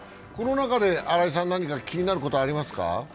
この中で新井さん、何か気になることはありますか？